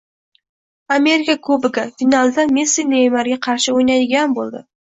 Amerika Kubogi. Finalda Messi Neymarga qarshi o‘ynaydigan bo‘ldi